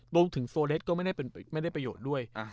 โดยถึงโซแรโสแลสก็ไม่ได้ประโยชน์ด้วย